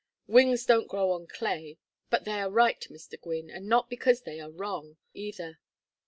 Wings don't grow on clay. But they are right, Mr. Gwynne, and not because they are wrong, either.